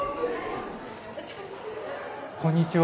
こんにちは。